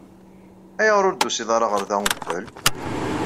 Ayɣer ur d-tusiḍ ɣer da uqbel?